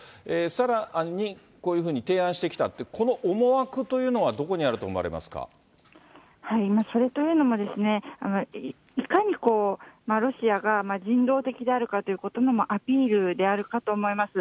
さらに、こういうふうに提案してきた、この思惑というのは、それというのも、いかにロシアが人道的であるかということのアピールであるかと思います。